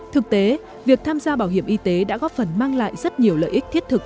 thực tế việc tham gia bảo hiểm y tế đã góp phần mang lại rất nhiều lợi ích thiết thực